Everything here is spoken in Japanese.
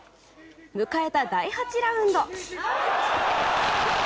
迎えた第８ラウンド。